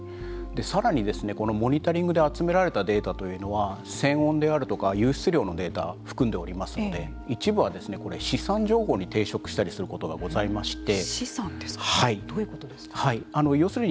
さらにこのモニタリングで集められたデータというのは泉温であるとか湧出量の含んでおりますので一部は資産情報に抵触したりすることがございまして。